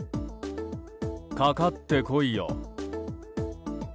かかってこいよ。